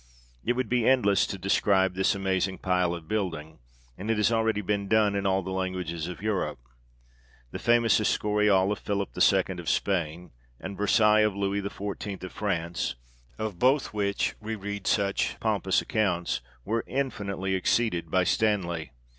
It would be endless to describe this amazing pile of building ; and it has already been done in all the languages of Europe. The famous Escurial of Philip the Second of Spain, and Versailles of Lewis XIV. of France, of both which we read such pompous accounts, were infinitely exceeded by Stanley.